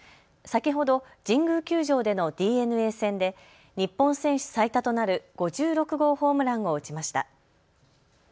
先ほど神宮球場でのＤｅＮＡ戦で日本選手最多となる５６号ホームランを打ちました。